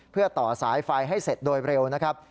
เพื่อต่อสายไฟให้เสร็จโดยเร็วนะครับ